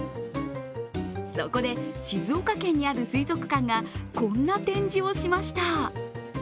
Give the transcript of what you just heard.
そこで、静岡県にある水族館がこんな展示をしました。